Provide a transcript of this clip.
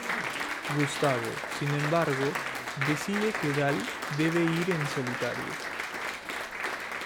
Gustavo, sin embargo, decide Kendall debe ir en solitario.